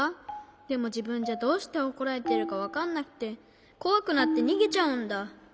でもじぶんじゃどうしておこられてるかわかんなくてこわくなってにげちゃうんだ。